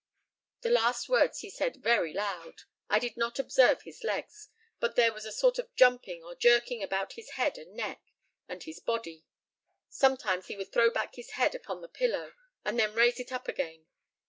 The last words he said very loud. I did not observe his legs, but there was a sort of jumping or jerking about his head and neck, and his body. Sometimes he would throw back his head upon the pillow, and then raise it up again.